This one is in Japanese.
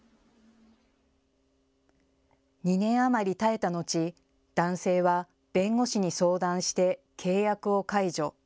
２年余り耐えた後、男性は弁護士に相談して契約を解除。